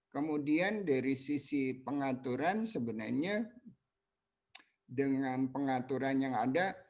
kemudian dari sisi pengaturan sebenarnya dengan pengaturan yang ada